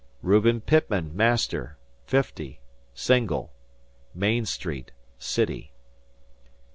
"Reuben Pitman, master, 50, single, Main Street, City.